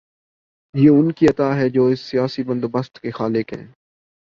یہ ان کی عطا ہے جو اس سیاسی بندوبست کے خالق ہیں۔